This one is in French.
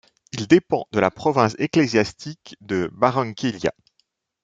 Il dépend de la province ecclésiastique de Barranquilla.